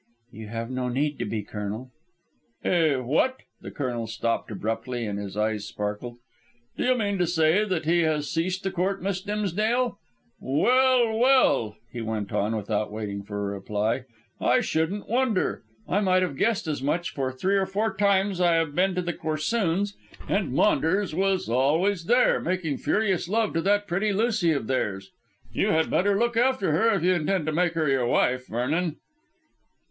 "You have no need to be, Colonel." "Eh! what?" The Colonel stopped abruptly and his eyes sparkled. "Do you mean to say that he has ceased to court Miss Dimsdale? Well, well," he went on, without waiting for a reply, "I shouldn't wonder. I might have guessed as much, for three or four times I have been to the Corsoons, and Maunders was always there, making furious love to that pretty Lucy of theirs. You had better look after her, if you intend to make her your wife, Vernon."